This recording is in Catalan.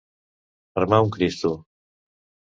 Armar un Cristo.